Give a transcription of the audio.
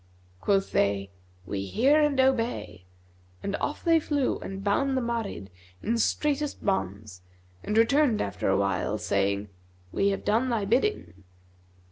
Quoth they, 'We hear and obey,' and off they flew and bound that Marid in straitest bonds and returned after a while, saying, 'We have done thy bidding.'